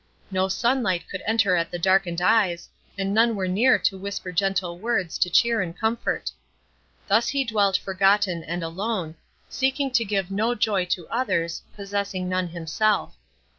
No sunlight could enter at the darkened eyes, and none were near to whisper gentle words, to cheer and comfort. Thus he dwelt forgotten and alone, seeking to give no joy to others, possessing none himself.